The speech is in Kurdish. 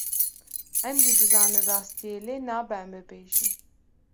Em jî dizanin rastiyê lê nabe em bibêjin.